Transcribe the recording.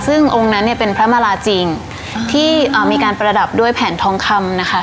ซึ่งองค์นั้นเนี่ยเป็นพระมาราจริงที่มีการประดับด้วยแผนทองคำนะคะ